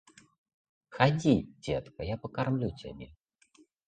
Хадзі, дзетка, я пакармлю цябе.